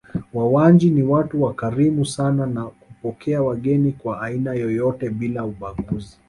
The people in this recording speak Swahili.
Wawanji ni watu wakarimu sana na kupokea wageni wa aina yoyote bila ubaguzi